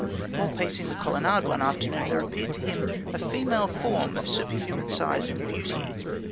While pacing the colonnade one afternoon, there appeared to him a female form of superhuman size and beauty.